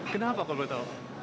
kenapa kalau lu tahu